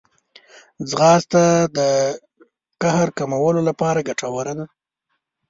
ځغاسته د قهر کمولو لپاره ګټوره ده